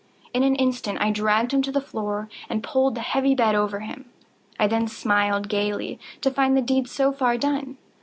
In an instant I dragged him to the floor, and pulled the heavy bed over him. I then smiled gaily, to find the deed so far done.